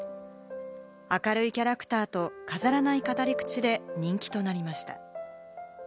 明るいキャラクターと、飾らない語り口で人気となりました。